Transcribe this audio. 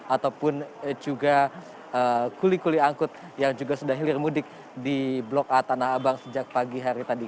ataupun juga kuli kuli angkut yang juga sudah hilir mudik di blok a tanah abang sejak pagi hari tadi